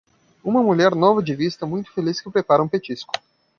Uma mulher nova de vista muito feliz que prepara um petisco.